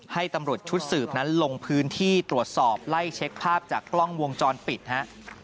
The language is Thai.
ให้ตำรวจชุดสืบนั้นลงพื้นที่ตรวจสอบไล่เช็คภาพจากกล้องวงจรปิดฮะ